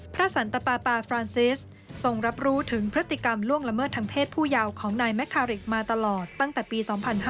สันตปาปาฟรานซิสทรงรับรู้ถึงพฤติกรรมล่วงละเมิดทางเพศผู้ยาวของนายแมคาริกมาตลอดตั้งแต่ปี๒๕๕๙